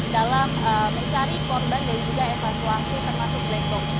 dalam mencari korban dan juga evakuasi termasuk black box